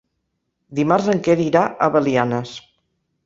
Dimarts en Quer irà a Belianes.